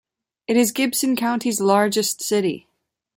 It is Gibson County's largest city.